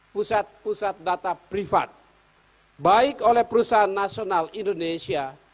pusat pusat data privat baik oleh perusahaan nasional indonesia